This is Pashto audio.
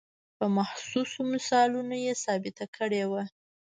په محسوسو مثالونو یې ثابته کړې وه.